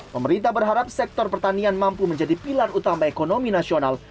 pemerintah berharap sektor pertanian mampu menjadi pilar utama ekonomi nasional